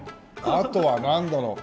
あとはなんだろう？